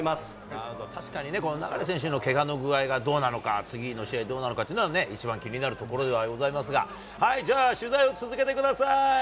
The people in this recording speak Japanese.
なるほど、確かに流選手のけがの具合がどうなのか、次の試合どうなのかっていうのは、一番気になるところではございますが、じゃあ、取材を続けてください。